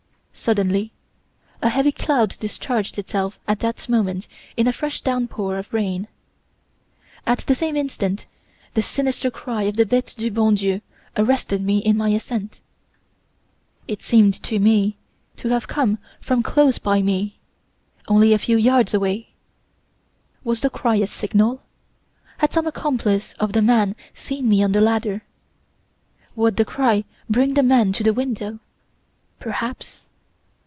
Suddenly a heavy cloud discharged itself at that moment in a fresh downpour of rain. "At the same instant the sinister cry of the Bete du bon Dieu arrested me in my ascent. It seemed to me to have come from close by me only a few yards away. Was the cry a signal? Had some accomplice of the man seen me on the ladder! Would the cry bring the man to the window? Perhaps!